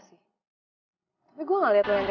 siulen di mana